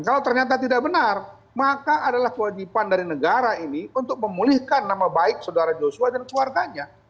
kalau ternyata tidak benar maka adalah kewajiban dari negara ini untuk memulihkan nama baik saudara joshua dan keluarganya